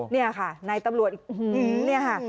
เนี่ยค่ะนายตำรวจ